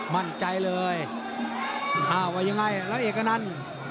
มั่นใจเลยอ้าวว่ายังไงแล้วเอกอนันต์